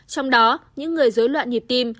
trong đó những người dối loạn nhiệp tim